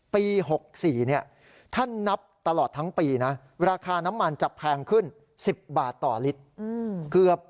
ปี๖๔ท่านนับตลอดทั้งปีนะราคาน้ำมันจะแพงขึ้น๑๐บาทต่อลิตร